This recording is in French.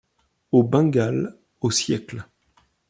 Au Bengale au siècle.